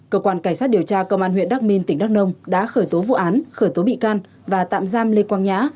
cơ quan cảnh sát điều tra công an huyện đắk minh tỉnh đắk nông đã khởi tố vụ án khởi tố bị can và tạm giam lê quang nhã